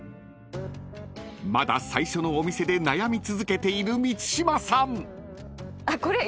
［まだ最初のお店で悩み続けている満島さん］